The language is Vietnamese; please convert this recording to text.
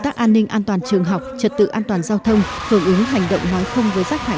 tác an ninh an toàn trường học trật tự an toàn giao thông hưởng ứng hành động nói không với rác thải